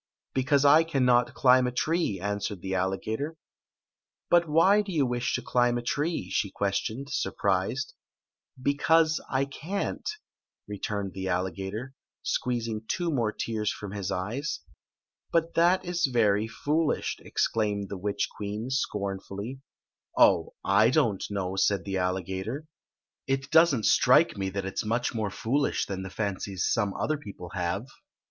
"Because I cannot climb a tree," answered the alligator. " But why do you wish to climb a tree?" she ques tioned, surprised. " Because I can't," returned the alligator, squeezing two more tears from liii eyes. " But that is very foolish !" exclaimed the witch queen, scornfully. " Oh, I don't know," said the alligator. It does n'l strike me that it *s much more foolish than the fancies some other people have."